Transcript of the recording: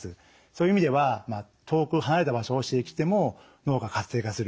そういう意味では遠く離れた場所を刺激しても脳が活性化する。